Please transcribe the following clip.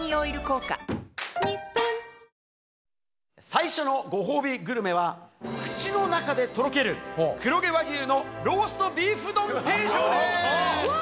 最初のご褒美グルメは、口の中でとろける、黒毛和牛のローストビーフ丼定食です。